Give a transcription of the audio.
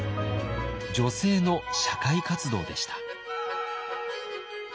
女性の社会活動でした。